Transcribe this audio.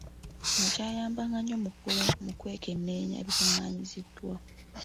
Kino kyayamba nnyo mu kwekenneenya ebikungaanyiziddwa.